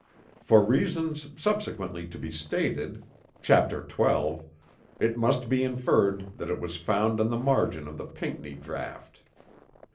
For reasons subsequently to be stated (chap. XII) it must be inferred that it was framed on the margin of the Pinckney draught.